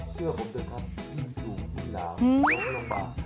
เสื้อของเธอครับยิ่งสูงอีกแล้ว